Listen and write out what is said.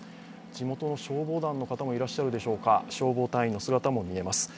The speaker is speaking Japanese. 地元の消防団の方もいらっしゃるでしょうか、消防隊員の姿も見えます。